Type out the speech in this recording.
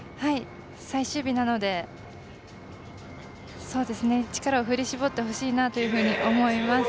最終日なので力を振り絞ってほしいなと思います。